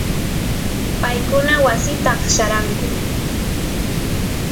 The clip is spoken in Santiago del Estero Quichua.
paykuna wasita aqllaranku